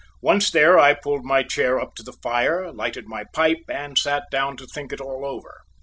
Once there I pulled my chair up to the fire, lighted my pipe, and sat down to think it all over.